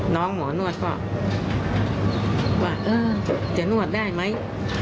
น้องหมอนวดก็ว่าจะนวดได้ไหม